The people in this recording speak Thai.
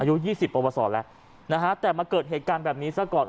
อายุยี่สิบประวัติศาสตร์แล้วนะฮะแต่มาเกิดเหตุการณ์แบบนี้สักก่อน